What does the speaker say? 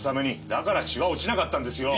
だから血は落ちなかったんですよ。